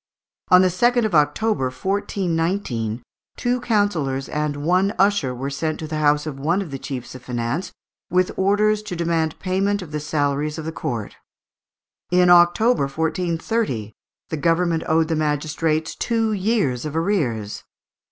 On the 2nd of October, 1419, two councillors and one usher were sent to the house of one of the chiefs of finance, with orders to demand payment of the salaries of the court. In October, 1430, the government owed the magistrates two years of arrears.